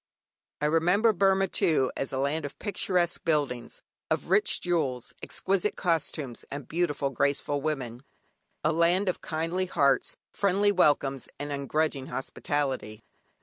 I remember Burmah, too, as a land of picturesque buildings, of rich jewels, exquisite costumes, and beautiful graceful women. A land of kindly hearts, friendly welcomes, and ungrudging hospitality.